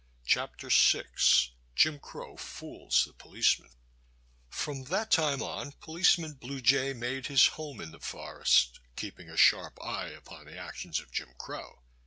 Chapter VI Jim Crow Fools the Policeman FROM that time on Policeman Blue Jay made his home in the forest, keeping a sharp eye upon the actions of Jim Crow.